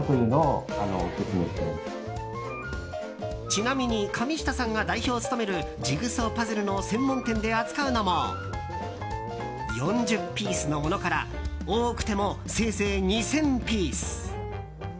ちなみに神下さんが代表を務めるジグソーパズルの専門店で扱うのも４０ピースのものから多くてもせいぜい２０００ピース。